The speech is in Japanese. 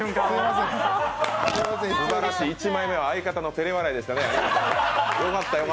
すばらしい、１枚目は相方の照れ笑いでしたね。